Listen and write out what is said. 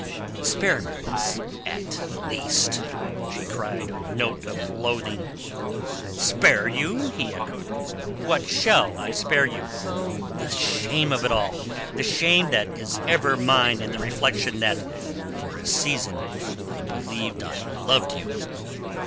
"Spare me this at least!" she cried on a note of loathing "Spare you?" he echoed. "What shall I spare you?" "The shame of it all; the shame that is ever mine in the reflection that for a season I believed I loved you."